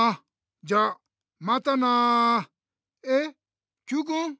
じゃまたな！えっＱくん？